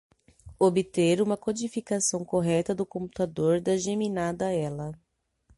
Obter uma codificação correta do computador da geminada ela.